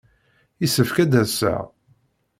Yessefk ad d-aseɣ.